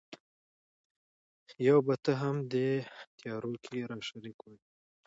یو به ته هم دې تیارو کي را شریک وای